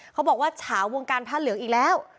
เขาบอกว่าเฉาวงการผ้าเหลืองอีกแล้ว